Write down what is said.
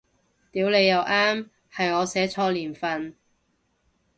屌你又啱，係我寫錯年份